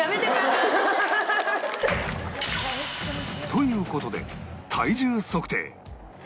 という事で体重測定